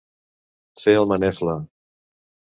Fer el manefla.